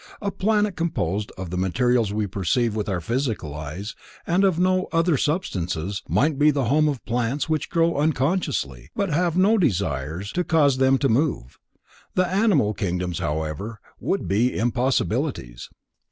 A planet composed of the materials we perceive with our physical eyes and of no other substances, might be the home of plants which grow unconsciously, but have no desires to cause them to move. The human and animal kingdoms however, would be impossibilities.